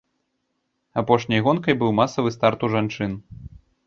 Апошняй гонкай быў масавы старт у жанчын.